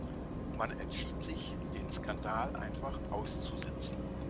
Man entschied sich, den Skandal einfach auszusitzen.